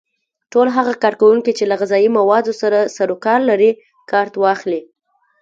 ټول هغه کارکوونکي چې له غذایي موادو سره سرو کار لري کارت واخلي.